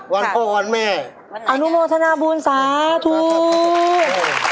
วันโภควันแม่อนุโมทนาบูญศาสตร์ถูก